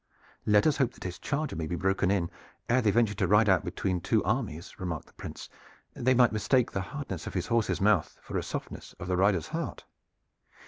"Let us hope that his charger may be broken in ere they venture to ride out between two armies," remarked the Prince. "They might mistake the hardness of his horse's mouth for a softness of the rider's heart.